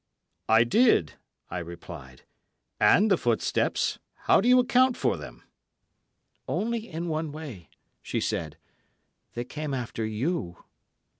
"I did," I replied; "and the footsteps—how do you account for them?" "Only in one way," she said; "they came after you.